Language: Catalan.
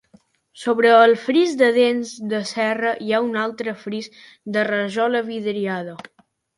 Sobre el fris de dents de serra hi ha un altre fris de rajola vidriada.